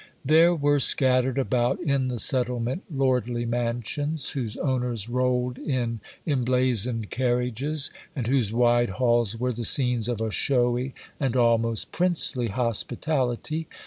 There were scattered about in the settlement lordly mansions, whose owners rolled in emblazoned carriages, and whose wide halls were the scenes of a showy and almost princely hospitality.